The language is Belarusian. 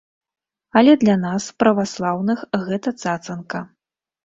Але для нас, праваслаўных, гэта цацанка.